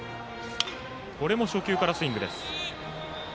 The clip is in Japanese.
これも初球からスイングです。